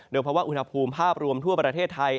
โดยเพราะว่าอุณหภูมิภาพรวมทั่วประเทศไทย